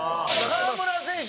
河村選手